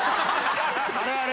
あれあれ？